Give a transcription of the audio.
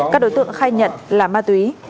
các đối tượng khai nhận là ma túy